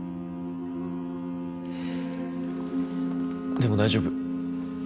でも大丈夫。